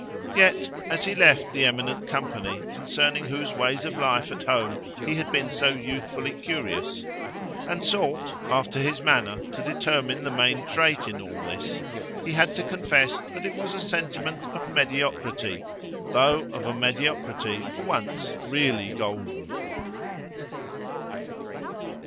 Yet, as he left the eminent company concerning whose ways of life at home he had been so youthfully curious, and sought, after his manner, to determine the main trait in all this, he had to confess that it was a sentiment of mediocrity, though of a mediocrity for once really golden.